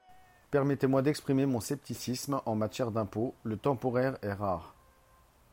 Permettez-moi d’exprimer mon scepticisme, en matière d’impôt, le temporaire est rare.